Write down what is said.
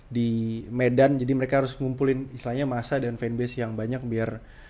di medan jadi mereka harus ngumpulin istilahnya masa dan fanbase yang banyak biar